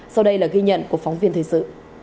sau đây là ghi nhận của phóng viên thời sự